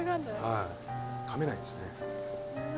「はい。かめないんですね」